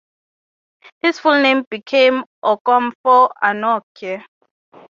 His full name became Okomfo Anokye.